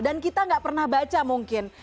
dan kita nggak pernah baca mungkin